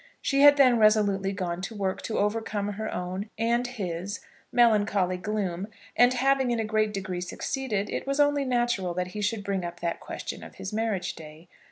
She had then resolutely gone to work to overcome her own, and his, melancholy gloom, and, having in a great degree succeeded, it was only natural that he should bring up that question of his marriage day.